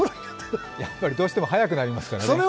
どうしても早くなりますからね。